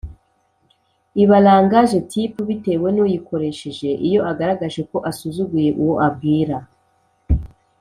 iba language tip bitewe n‘uyikoresheje iyo agaragaje ko asuzuguye uwo abwira.